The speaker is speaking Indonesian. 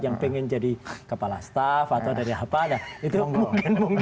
yang ingin jadi kepala staff atau dari apa itu mungkin